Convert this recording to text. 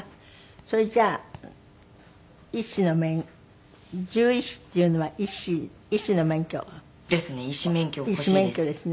それじゃあ獣医師っていうのは医師の免許？ですね。